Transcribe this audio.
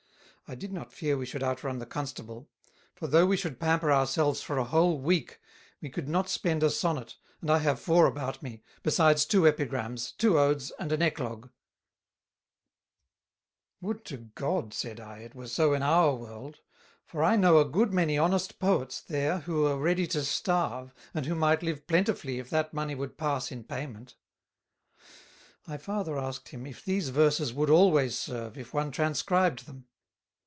I did not fear we should outrun the Constable; for though we should Pamper our selves for a whole Week, we could not spend a Sonnet, and I have Four about me, besides Two Epigrams, Two Odes, and an Eclogue." "Would to God," said I, "it were so in our World; for I know a good many honest Poets there who are ready to Starve, and who might live plentifully if that Money would pass in Payment." I farther asked him, If these Verses would always serve, if one Transcribed them?